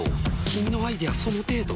君のアイデア、その程度？